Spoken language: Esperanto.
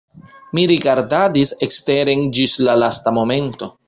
Mi rigardadis eksteren ĝis la lasta momento.